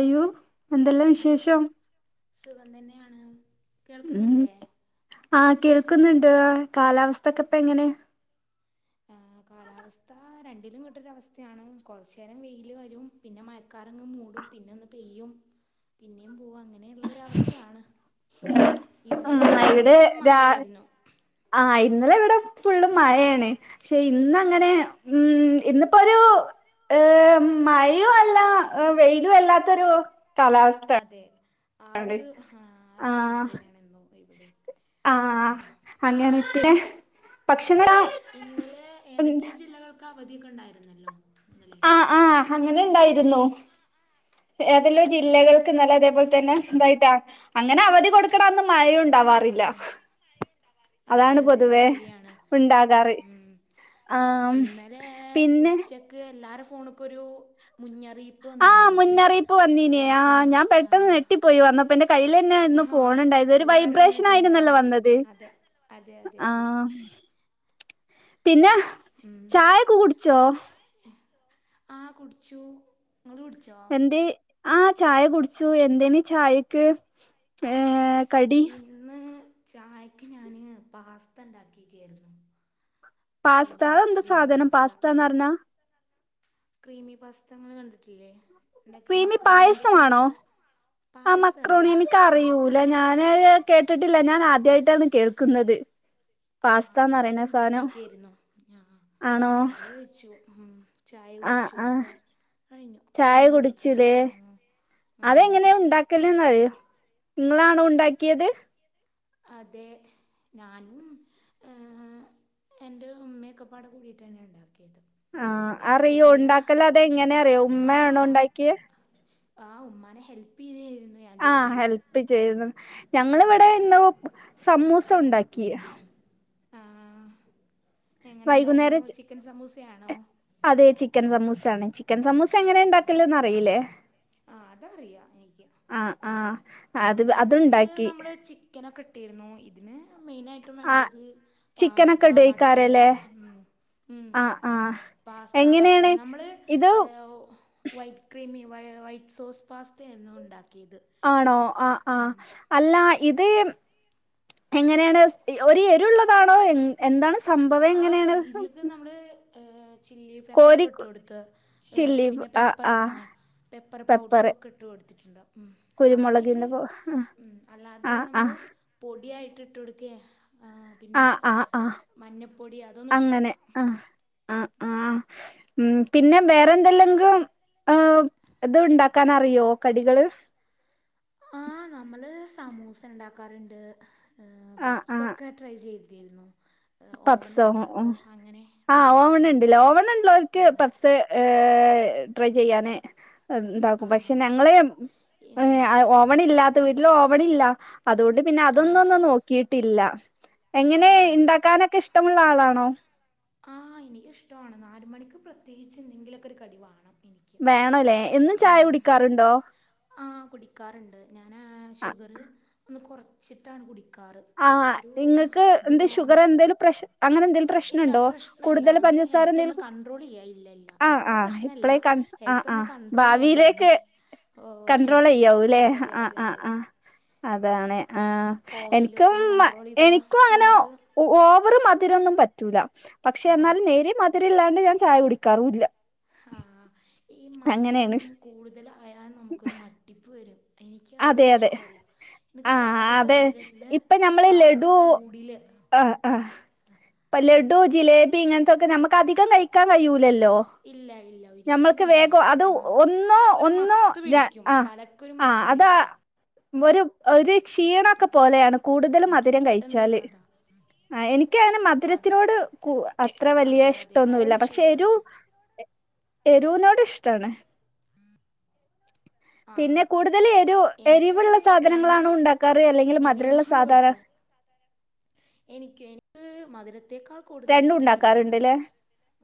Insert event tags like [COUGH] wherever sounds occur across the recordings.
അയ്യോ എന്തെല്ലാം ആഹ് വിശേഷം സുഖം തന്നെയാണ് ഉം കേൾക്കുന്നില്ലേ ആഹ് കേൾക്കുന്നുണ്ട് കാലാവസ്ഥക്കെ ഇപ്പ എങ്ങനെ ആ കാലാവസ്ഥ രണ്ടിലും കേട്ടൊരു അവസ്ഥയാണ് കുറച്ച് നേരം വെയില് വരും പിന്നെ മഴക്കാറങ്ങ് മൂടും പിന്നെ ഒന്ന് പെയ്യും പിന്നേം പോവും അങ്ങ ഇങ്ങനെയുള്ളരവസ്ഥയാണ് ഉം ഇന്നലെയൊക്കെ ഫുൾ ഇവിടെ ടൈം രാ മഴയായിരുന്നു. ആഹ് ഇന്നലെ ഇവിടെ ഫുള്ള് മഴയാണ് പക്ഷെ ഇന്നങ്ങനെ ഉം ഇന്നിപ്പോ ഒരു ഏ മഴയും അല്ല വെയിലും അല്ലാത്തൊരു കാലവസ്ഥയാണ് അതെ ആ ഒരു ഒരു ആ ക്ലൈമറ്റ് തന്നെയാണ് ഇന്നും ഇവിടെയും ആ ആഹ് അങ്ങ ഇട്ടെ ഇന്നലെ ഏതൊക്കെ ജില്ലകൾക്കാ അവതിയൊക്കെണ്ടായിരുന്നല്ലോ ആ ആ അങ്ങനെണ്ടായിരുന്നു ഏതെല്ലോ ജില്ലകൾക്ക്ന്നല അതേപോലെ തന്നെ ന്തായിട്ടാ അങ്ങനെ അവധി കൊടുക്കണ ആഹ് മഴയുണ്ടാവാറില്ല ആഹ് അതെ അതാണ് അതെ അത് പൊതുവേ ശരിയാണ് ഉണ്ടാകാറ് ഉം ആ പിന്നെ ണക്കൊരു മുന്നറിയിപ്പ് ആ വന്നിരുന്നില്ലേ ഒരു മുന്നറിയിപ്പ് വന്നീന ഏഹ് ആ ടൂണ ഞാൻ ആ പെട്ടെന്ന് ഞെട്ടിപ്പോയി വന്നപ്പൊ കയ്യിൽ തന്നെയാരുന്നു ആഹാ ഫോൺ ഉണ്ടായത് ഒരു എല്ലാരും അങ്ങനെ വൈബ്രേഷൻ തന്നെയാ ആയിരുന്നല്ലോ വന്നത് അതെ അതെ അതെ ആ അതെ പിന്നെ ഉം ചായൊക്കെ കുടിച്ചോ ആ കുടിച്ചു ഇങ്ങൾ കുടിച്ചോ എന്തേ ആ ചായ കുടിച്ചു എന്തേന് ചായക്ക് ഏ കടി ഇന്ന് ചായക്ക് ഞാന് പാസ്ത ഉണ്ടാക്കിക്കയാരുന്നു പാസ്ത അത് എന്താ സാധനം പാസ്ത്താന്ന് പറഞ്ഞാ ക്രീമി പാസ്ത ഇങ്ങള് കണ്ടിട്ടില്ലേ ഇണ്ടാക്കി ക്രീമി മക്രോണിന്റെയൊക്കെ പായസവാണോ വേറെ അ പായസല്ല മക്രോണി എനിക്ക് പാസ്ത അറിയൂല ഞാന് കേട്ടിട്ടില്ല ഞാൻ ആദ്യായിട്ടാണ് കേൾക്കുന്നത് ആ പാസ്താന്ന് അത് പറയണ സാധനം ഇണ്ടാക്കിക്കായിരുന്നു ഞാ ആണോ അത് കഴിച്ചു ചായ ആ കുടിച്ചും ആ ഒക്കെ കഴിഞ്ഞു ഇപ്പം ചായ ഇങ്ങനെ ഇരിക്കയാണ് കുടിച്ചില്ലേ ഉം ഉം അതെങ്ങനെയാ ഉണ്ടാക്കല്ന്നറിയോ നിങ്ങളാണോ ഉണ്ടാക്കിയത് അതെ ഞാനും ഏ എൻ്റെ ഉമ്മേക്കുപ്പാടെ കൂടിയിട്ട ഞാൻ ഉണ്ടാ ആ അറിയോ ഉണ്ടാക്കല് അത് എങ്ങനാ അറിയൂ ഉമ്മയാണോ ഉണ്ടാക്കിയെ ആ ഉമ്മാനെ ഹെൽപെയ്ത ആ ഹെൽപ്പ് ചെയ്ത് ആഹ് ഞങ്ങളിവിടെ ഇന്ന് ഉപ് സമൂസ ഉണ്ടാക്കി ആ ആ എങ്ങനെ ഉണ്ടായിരുന്നു വൈകുന്നേരം ചിക്കൻ സമൂസയാ അതെ ചിക്കൻ സമൂസാണ് ചി ക്കൻ സമൂസ എങ്ങനെ ഇണ്ടാക്കല്ന്ന് അറിയില്ലേ ആഹ് അതറിയാം എനിക്ക് ആഹ് ആഹ് ഇതില് നമ്മള് ചിക്കനൊക്കെ ഇട്ടിരുന്നു ഇ ഇതിന് മെയ്നായിട്ടും ആ വേണ്ടത് പാസ്ത ചിക്കനൊക്കെ ബട്ട്റ് ഇടേക്കാരല്ലേ ഉം ഉം ആഹ് ആഹ് പാസ്ത ബട്ട്റ് എങ്ങനെയാണ് നമ്മള് ഇത് ഏഹ് വൈറ്റ് ക്രീം യൂ വൈ വൈറ്റ് സോസ് പാസ്തയായിരുന്നു ഉണ്ടാക് ക്കീത് ആണോ ആഹ് ആഹ് അല്ലാ ഇത് എങ്ങനെയാണ് ഒരു എരുള്ളതാണോ എഹ് എന്താണ് സംഭവം എങ്ങ ആഹ് ഇതിലൊക്കെ നമ്മള് ഏഹ് ചില്ലി കോരി ഫ്ലക്സൊക്കെ ഇട്ട് കൊടുത്ത് ഏഹ് പിന്നെ പെപ്പറ് ആഹ് പെപ്പർ പൗഡറും പെപ്പറ് ഒക്കെ ഇട്ട് കൊടുത്തിട്ടുണ്ടവും ഉം കുരുമുളകിന്റെ അങ്ങനെയൊക്കെ പോ ഉം അല്ലാതെ ആഹ് നമ്മള് ആഹ് പൊടിയായി ഇട്ടു കൊടുക്കേ ആഹ് പിന്നെ ആഹ് ആഹ് മഞ്ഞപ്പൊടി അത് അങ്ങനെ ആഹ് ആഹ് ആഹ് ഉം പിന്നെ വേറെന്തെല്ലെങ്കും ഏഹ് എതും ഉണ്ടാക്കാൻ അറിയോ കടികള്? ആഹ് നമ്മള് സ് സമൂസ ഉണ്ടാക്കാറ്ണ്ട്. ഹ് ആഹ് ആഹ് പപ്‌സൊക്കെ ട്രൈ ചെയ് തിരുന്നു. പപ്സോ ഉം ആഹ് ഉണ്ടാക്കിയിരുന്നു ഓവനുണ്ട് ല്ലേ ഓവൻ ഉള്ളോർക്ക് ആ പപ്സ്സ് ട്രൈ ചെയ്യാന് ആ പക്ഷേ ഞങ്ങള് ഉം. ഓവൻ ഇല്ലാത്ത വീട്ടില് ഓ ഇവെടില്ല അതുകൊണ്ട് പിന്നെ അതൊന്നും ആ ഒന്ന് നോക്കീട്ടില്ല. എങ്ങനെ ആഹ് ഇണ്ടാ ഇഷ്ടമുള്ള ആളാണോ? ആഹ് എനിക്കിഷ്ടാണ് നാല് മണിക്ക് പ്രത്യേകിച്ച് എന്തെങ്കിലൊക്കെ ഒരു കടി വാണം. എനിക്ക് വേണല്ലേ എന്നും ചായ ഉം കുടിക്കാറുണ്ടോ ആഹ് കുടിക്കാറുണ്ട് ഞാനാ ഷുഗറ് ഒന്നു കോർ ചിട്ടാണ് കുടി ആഹ് നിങ്ങക്ക് എന്ത് പോവാന് ഷുഗർ എന്തെങ്കിലും പ്രഷ് അങ്ങനെ എന്തെങ്കിലും പ്രശ്നുണ്ടോ? പ്രശ്നല്ല നമ്മള് ഹെൽത്ത് ഒന്ന് കൺട്രോൾ ചെയ്യ ഇല്ലല്ല ആഹ് ഇപ്പ ആഹ് പ്രശ്നല്ല ഇപ്പളേ കൺ ആഹ് ഹെൽത്ത് ഒന്ന് ആഹ് കൺട്രോൾ ചെയ്യാ ചെയ്യുന്നേ. ഭാവിയിലേക്ക് കൺട്രോൾ ചെയ്യാവൂലെ ആഹ് ആഹ് അതെ ആഹ് അതെ അതാണ്. ആഹ് ഓയിലൊക്കെ എനിക്കും ഒന്ന് കൺട്രോൾ ചെയ്താൽ എനിക്കും അങ്ങനെ നമുക്ക് ഓവർ മ ത്തിരെന്നും പറ്റൂല. പക്ഷേ എന്നാലും ആഹ് നേരിയ മധുരം ഇല്ലാണ്ട് ഞാൻ ചായ കുടിക്കാറൂല്ല ആഹ് ഈ മധുരം കൂടുതൽ ആയാൽ നമുക്കൊരു മട്ടിപ്പ് വരും. എനിക്ക് അത് അതെ അതെ ഇഷ്ടല്ല എനിക്ക് ആഹ് പാകത്തെ അതെ മധുരത്തില് ഇപ്പ നമ്മള് പാകത്തെ ലഡ്ഡു ചൂടില് ങ്ഹ് ഇപ്പ ല ഡ്ഡു ജിലേബി ഇങ്ങനെത്തക്കെ നമുക്ക് അധികം കഴിക്കാൻ കഴിയൂലല്ലേ ഇല്ല ഇല്ല ഒരിക്കലും ഇല്ല അത് ആഹ് ഒന്നോ ഒരു ഒന്നോ മത്ത് പിടിക്കും ആഹ് തലക്ക് ഒരു ആഹ് മത്ത് പി അതാ ടിക്കും. ഒരു ഒരു ഷീണൊക്കെ പോലെയാണ് കൂടുതൽ എനിക്ക് മധുരം പെട്ടെന്ന് കഴിച്ചാല് വരുന്നത് അതാ എനിക്ക് അങ്ങനെ അതെ മധുരത്തിനോട് അത്ര വലിയ അതെ അതെ ഇഷ്ടോന്നുല്യ അത് പക്ഷേ ശരിയാണ് എരു എരുവിനോട് ഇഷ്ടാണ്. പിന്നെ ആഹ് കൂടുതല് എ എനിക്കും എരിവുള്ള സാധനങ്ങളാണോ രണ്ടും ഉണ്ടാക്കാറ് അല്ലെങ്കിൽ മധുരള്ള മിനിമം ഉള്ളു സാദ പറ്റുക എനിക്ക് ക്ക് മധുര ത്തേക്കാൾ കൂടുതല് രണ്ടും ഇഷ്ടം ഉണ്ടാക്കാറുണ്ട്ല്ലേ [UNINTELLIGIBLE]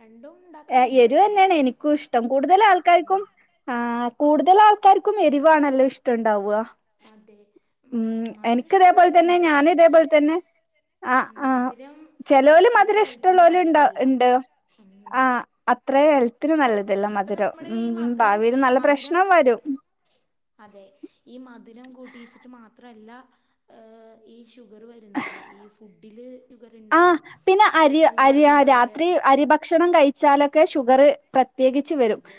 രണ്ടും ഉണ്ടാക്കാറുണ്ട് നമ്മള് എരുവെന്നേണ് എനിക്കും ഇഷ്ടം. കൂടുതല് ഉം ആൾക്കാർക്കും ആ കൂടുതൽ ആൾക്കാർക്കും എരിവാണല്ലോ ഇഷ്ടം ണ്ടാവ. അതെ. ഉം മധുരം ഇതേപോലെ ഇഷ്ടള്ളോലും തന്നെ ഉണ്ട്. ഞാൻ ബട്ട് ഇതേപോലെ തന്നെ ആ ആ മധുരം ചെലോല് അത്രക്ക് മധുരം ഹെൽത്തിന് ഇഷ്ടമുള്ളോല് നല്ലതല്ല. ഉം അത്രേ എ ഒത്തിരി നല്ലതല്ല ഇപ്പൊ മധുരം. നമ്മള് ഈ ഉം മധുരം ഭാവിയി ൽ നല്ല മധുരം പ്രശ്നം വരും. ലം കൂട്ടിയിച്ചിട്ട് മാത്രല്ല ഈ ഷുഗറ് വരുന്നത്. ഈ ഫുഡില് ആ ഷുഗറുണ്ട് പിന്നെ അരി കിഴങ്ങ് അരി രാത്രി വർഗ്ഗങ്ങളില് അരി ഭക്ഷണം കഴിച്ചാല ക്കെ ഷുഗറ് പ്രത്യ പ്രത്യേകിച്ച് വരും. അതെ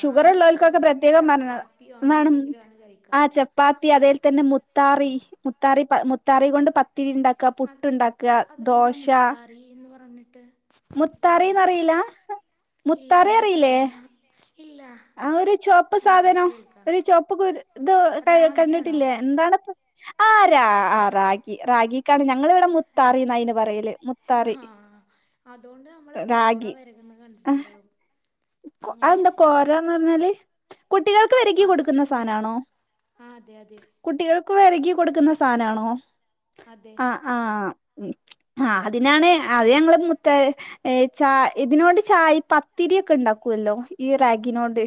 ഷുഗറ് ഉള്ളോൽക്കൊക്കെ എന്തെങ്കിലും പ്രത്യേകം ചപ്പാത്തിയോ അങ്ങനെ പറഞ്ഞതാണ് എന്തെങ്കിലും ആണ് ആ കഴിക്കാറ് ചപ്പാത്തി അതേൽ തന്നെ മുത്താറി ആഹ് മുത്താറി മുത്താറി കൊണ്ട് പത്തിരി ഇണ്ടാക്കി ക്ക അത് പുട്ട്ണ്ടാക്ക അതെന്താ മുത്താറീന്ന് പറഞ്ഞിട്ട് മുത്താറിയോ മുത്താറിന്നറിയില്ല ഇല്ല എനിക്കറിയില്ല. ഇല്ല ആഹ് ഒരു ചൊവപ്പ് ഞാൻ ആദ്യായിട്ട് സാധനം കേൾക്കാ ഒരു ചൊവപ്പ് കുരു ഇത് റാഗിയാണോ കണ്ടിട്ടില്ലേ എന്താണ് ആഹ് രാ ആ റാഗി റഗിക്കാണ് ഞങ്ങ ഞങ്ങിവിടെ മുത്താറിന്ന അയ്ന് പറയലേ മുത്താറി ആഹ് അതുകൊണ്ട് നമ്മള് കോറ രാഗി വെരകുന്നത് കണ്ടിട്ടുണ്ടാവും അ അങ്ങനെ എന്താ കൊറാന്ന് പറഞ്ഞാല് കുട്ടികൾക്ക് വരികി അതും കൊടുക്കുന്ന ഇതന്നെയാണ് സാധനണോ ആഹ് അതെ അതെ കുട്ടികൾ വരകി കൊടുക്കുന്ന സാനണോ അതെ ആഹ് ആഹ് ഉം ആഹ് അതിനാണ് അത് ഞങ്ങള്ൾ മുത്ത ച ഇതിനോണ്ട് ചായി പത്തിരി ഓ ക്കെ ഇണ്ടാക്കുവല്ലോ ഈ റാഗിനോട്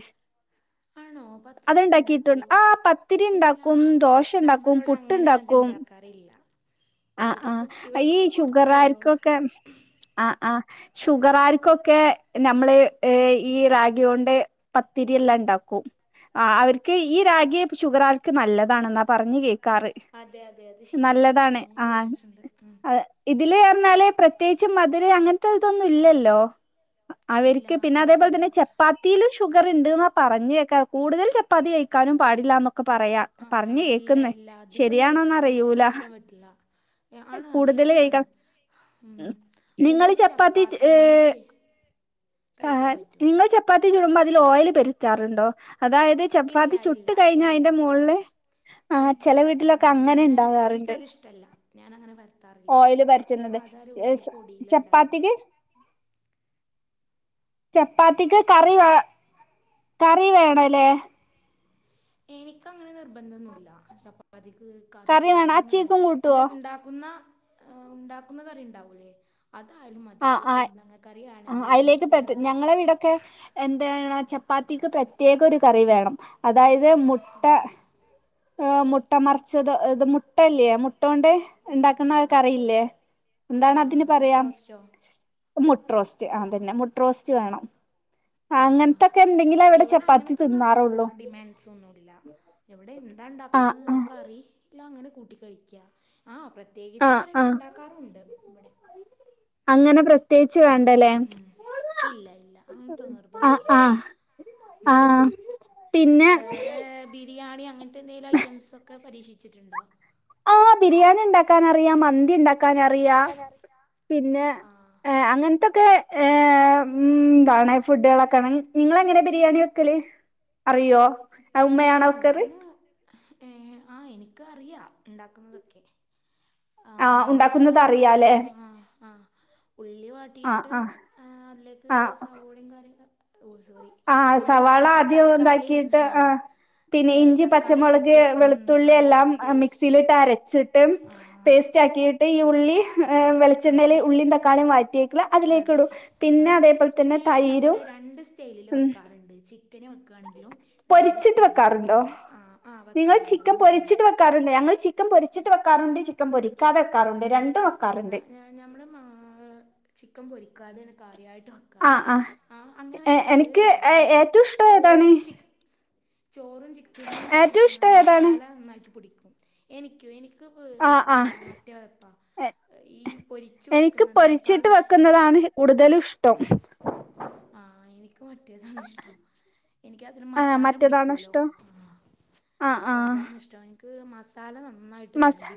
ആണോ പത്തിരി ഓക്കെ ബണ്ടാക്കോ അത്ണ്ടാക്കിയിട്ടുണ്ട് ആഹ് പത്തിരി ഇല്ല ഉണ്ടാക്കും ദോശ ഉണ്ടാക്കും നമ്മളവിടെ അങ്ങനെ പുട്ടുണ്ടാക്കും അത്ണ്ടാക്കാറില്ല ആഹ് ആഹ് ഈ കൊടുത്തിട്ടുള്ളൂ ഷുഗറാർക്കെക്കെ ആഹ് ആഹ് ഷുഗറാർക്കൊക്കെ നമ്മള് ഈ റഗികൊണ്ട് പത്തിരിയെല്ലാം ഇണ്ടാക്കും ആഹ് അവർക്ക് ഈ രാഗിയെ ഷുഗരാർക്ക് നല്ലതാണെന്നാ പറഞ്ഞഞ് കേ അതെ അതെ അതെ ശരിയാണ് കേട്ടിട്ട്ണ്ട് തില് ർഞ്ഞാല് പ്രത്യേകിച്ച് മധുര അങ്ങനത്തെതൊന്നും ഇല്ലല്ലോ ഇല്ല അവർക്ക് പിന്നെ അത് അതേപോലെ ഇല്ല തന്നെ ചപ്പാത്തിയിലും ഷുഗർ ണ്ട് ണ്ട് ന്നാ പറഞ്ഞേക്കാ കൂടുതൽ ചപ്പാത്തി കയ്ക്കാനും പാടില്ലാന്നൊ ക്കെ പറയാ ആ ആ, പർഞ് ഇല്ല കേക്ക്ന്ന് ഇല്ല അധികം കേൾക്കാ ഏ, ശെരിയാണോന്നറിയൂല കഴിക്കാൻ പറ്റില്ല ഏ, ആണ് അത് കൂടുതല് കഴിക്കാ ശരിയാണ് ഉം നിങ്ങള് മൂന്ന് ചപ്പാത്തി അങ്ങനെയൊക്കെ [UNINTELLIGIBLE] കഴിക്കാൻ പറ്റുമോ നിങ്ങള് ചപ്പാത്തി ചുടുമ്പോ ത് ല് ഓയല് [UNINTELLIGIBLE] അതായത് ഇല്ല ചപ്പാത്തി ഇല്ല ചുട്ട് കഴിഞ്ഞ അയ്ന്റെ ഇല്ല മോൾല് ആ എനിക്ക് ചെല വീട്ടിലൊക്കെ അങ്ങനെ ഞാൻ ണ്ടാകാർണ്ട് എനിക്കതിഷ്ടമല്ല ഞാൻ അങ്ങനെ പരത്താറില്ല സാധാ രൂപത്തില് പൊടിലണ്ടാക്കാറ് ചപ്പാത്തിക്ക് ചപ്പാത്തിക്ക് കറി വേ കറി വേണല്ലേ എനിക്കങ്ങനെ നിർബന്തൊന്നുല്ല ച പ്പാത്തിക്ക് കറി വേണം ന്ന്ള്ളെ നമ്മളിണ്ടാക്കുന്ന ആ ഉണ്ടാക്കുന്ന കറി ണ്ടാവൂല്ലേ അതായാലും മതി ആഹ് പ്പ ആഹ് കുമ്പളങ്ങ ആഹ് കറിയാണെങ്കിലും എന്ത് അയിലേക്ക് പറ്റ കറിയാണെങ്കിലും ഞങ്ങളെ ഇവിടൊക്കെ [UNINTELLIGIBLE] ചപ്പാത്തിക്ക് പ്രത്യേകൊരു കറി വേണം അതായത് അത് മുട്ട ആ മുട്ട മറിച്ചത് ത് മുട്ടല്ലേ മുട്ടോണ്ട് ണ്ടാക്കുന്ന കറിയില്ലേ എന്താണ് ആ അതിന് മുട്ട പറയാം റോസ്റ്റോ മുട്ട്രോസ്റ്റ്. ആ തന്നെ മുട്ട്രോസ്റ്റ് വേണം. ആഹ് ആ അങ്ങനത്തൊക്കെ എന്തെങ്കിലെ ഇവിടെ ഇവെടെ ചപ്പാത്തി അങ്ങനത്തൊന്ന തിന്നാറുള്ളൂ ഡിമാൻഡ് സൊന്നുമില്ല. എവടെ ആഹ് എന്താണ്ടൊക്കന്ന് ആ ആഹ് കറി. ല്ല അങ്ങനെ കൂട്ടി കഴിക്ക. ആ പ്ര പ്രത്യേകിച്ച് ആഹ് കറിയൊക്കെ ആഹ് ഉണ്ടാക്കാറൊണ്ട് ഇവടെ. അങ്ങനെ പ്രത്യേകിച്ച് വേണ്ടല്ലേ ഇല്ല, ഇല്ല അങ്ങനെത്തോന്ന് ആഹ് നിർബന്ധമില്ല. ആഹ് ഉം ആഹ് പിന്നെ വേറെ ബിരിയാണിയ ന്തെലേലും ഐറ്റംസൊക്കെ പരിക്ഷീ ച്ചിട്ടൊണ്ടോ? ഓ ബിരിയാണി ഉണ്ടാക്കാനറിയാം മന്തിയൊണ്ടാ ക്കനറിയാം പിന്നെ ആഹ് അങ്ങനെത്തെക്കെ ഏ മം ധാണായി ഫുഡുകളൊക്കെ. നിങ്ങളെങ്ങനെ ബിരിയാണി വെയ്ക്കല്? അറിയോ ഉയുമ്മയാണോ വയ്ക്കാറ്. ഏ ആ എനികറിയാം ഇണ്ടാക്കുന്നതെക്കെ. ആ ആഹ് നമ്മെള് ഉണ്ടാക്കുന്നത് ഉള്ളി അറിയാല്ലേ ആ ആ ഉള്ളി ആഹ് വാട്ടീട്ട് ആഹ് അതിലേക്ക് ആഹ് സവോളയും കാര്യാക്കെ. ഓ സോറി. ആഹ് ഉള്ളി സവാള വാട്ടീട്ട് ആദ്യം തക്കാളീം. ഇതാക്കിയിട്ട് ആഹ് ഇഞ്ചി പച്ച മൊളക്, ഇട്ട് ഉം, അതെ വെളുത്തുള്ളിയെല്ലാം അതെ പേസ്റ്റ് മിക്സിലിട്ടു അരച്ച ട്ട് ആ പേസ്റ്റാക്കി ട്ടീ ഉള്ളി ഏ വെളച്ചെണ്ണേൽ ആഹ് ഉള്ളീം തക്കാളീം വയറ്റിയേക്കല് അതെ അതിലേക്ക്ടും പിന്നെ ആഹ് അതേ പോലതന്നെ തൈരും ക്കാറുണ്ട് ചി ചിക്കന് വെക്കാണെങ്കിലും. രണ്ട് പൊരിച്ചിട്ട് സ്റ്റൈലില് വെക്കാറുണ്ടോ? വെക്കാറുണ്ട് ആഹ് ആഹ് നിങ്ങള് വെക്കാറുണ്ട് ചിക്കൻ ഒന്ന് അങ്ങനെ പൊരിച്ചിട്ട് വെക്കാറുണ്ട്? ഞങ്ങൾ ചിക്കൻ പൊരിച്ചിട്ട് വെക്കാറുണ്ട് പൊരിക്കാതെക്കാറുണ്ട്. [UNINTELLIGIBLE] ചിക്കൻ പൊരിക്കാതേണ് കാര്യായി ട്ട് ആ വെക്കാറ് ആ അങ്ങനെ വെച്ചാല് എനിക്ക് നമുക്ക് ഏറ്റവും ഇഷ്ടം ഏതാണ് ചോറും ചി ചോറും ചിക്കനും ഏറ്റവും ഇഷ്ടം ഏതാണ് മസാല എനിക്കോ എനിക്ക് ആ ആ [UNINTELLIGIBLE] ഈ പൊരിച്ച് എനിക്ക് വെക്കുന്നതിനേക്കാൾ പൊരിച്ചിട്ട് ഇഷ്ടം വെക്കുന്നതാണ് കൂടുതലും ഇഷ്ടം. ആഹ് എനിക്ക് മറ്റേതാണിഷ്ടം എനിക്ക് അതില് ആ മസാല മറ്റേതാണോ പിടിക്കോല്ലൊ ഇഷ്ടം ആ ആ ഇൻക്കതാണ് ഇഷ്ടം. [UNINTELLIGIBLE] മസാല നമ് മസെ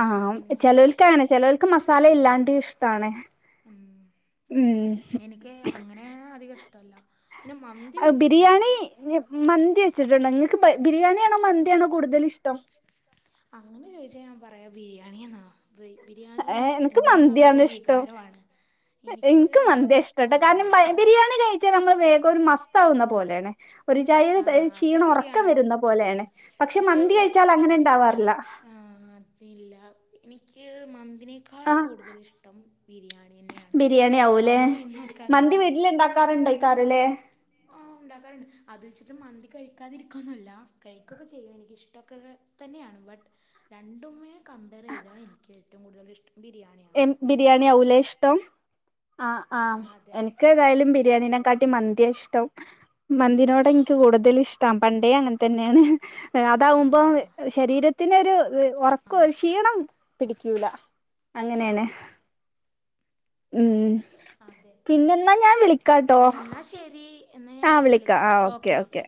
ആ അങ്ങനെ മ് ചെലോല്ക്കാണ് ചെലോല്ക്ക് ആഹ് മസാലയില്ലാണ്ട് ഇഷ്ടാണ് ഉം ഉം എനിക്ക് അങ്ങനെ അധിക ഇഷ്ടവല്ല പിന്നെ മന്തി വെച്ചിട്ടുണ്ട് ഞാന് വച്ചിട്ട്ണ്ടോ ഇങ്ങൾക്ക് ഭയ് ബിരിയാണിയാണോ മന്തിയാണോ കൂടുതലിഷ്ടം അങ്ങനെ ചോയിച്ചാ ഞാൻ പറയാ ബിരിയാണിയെന്നാ ഏ എന്ക്ക് മന്തിയാണ് ഇഷ്ടം വികാരമാണ് എനിക്ക് എന്ക്ക് മന്തിയാ ഇഷ്ട്ടട്ടൊ ആഹ് കാരണം മയെ ബിരിയാണി കഴി ച്ചാ നമ്മള് വേഗം ഒരു മസ്ത്താവുന്ന പോലേണ് ഒരുജായില് തരി ആഹ് അത് ക്ഷീണം ഒറക്കം ശരിയാണ് വരുന്ന പോലേണ്. ഉം പക്ഷെ മന്തി പക്ഷേ കഴിച്ചാലങ്ങനെ ഇണ്ടാവാറില്ല ഹ് മന് തിനേക്കാൾ കൂടുതല് ഇഷ്ടം ബിരിയാണിയന്നാണ്. ബിരിയാണി അഹ് ആവൂലേ അന്നും ഇന്നൊക്കെ മന്തി അങ്ങനെയാണ് വീട്ടിൽ [UNINTELLIGIBLE] ഉണ്ടാക്കാറുണ്ട് അത് വെച്ചിട്ട് മന്തി കഴിക്കാതിരിക്കുന്നല്ല കഴിക്കൊക്കെ ചെയ്യും എനിക്ക് ഇഷ്ടം ഒക്കെ തന്നെയാണ് ബട്ട് രണ്ടുമേ കമ്പയർ ചെയ്താ എനിക്ക്- ഏറ്റവും കൂടുതൽ ഇഷ്ട്ടം എ ബിരിയാണിയാവുലെ ഇഷ്ട്ടം ആ ആ ആഹ് അതെ എനിക്ക് ഏതായാലും അതെ ബിരിയാണിനെകാട്ടി മന്തിയാ ഇഷ്ട്ടം മന്തിനോട് എനിക്ക് കൂടുതലിഷ്ടം പണ്ടേ അങ്ങനെ തന്നേയാണ് അതാവുമ്പോ ആഹ് ശരീരത്തിനൊരു ഒറക്ക ആഹ് ക്ഷീണം പിടിക്കൂല അങ്ങനെയാണ് ഉം അതെ പിന്നെന്നാ ഞാൻ വിളിക്കാട്ടോ എന്നാ ശരി എന്നാ ഞാൻ ആ ഇനി വിളിക്കാം ആ ഓക്കെ ഓക്കെ